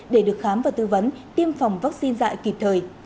để được khám và tư vấn tiêm phòng vaccine dạy kịp thời